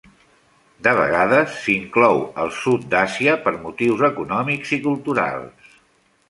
De vegades s'inclou el sud d'Àsia per motius econòmics i culturals.